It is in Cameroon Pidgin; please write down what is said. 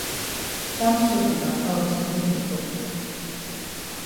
Kam so for back haus make we tok.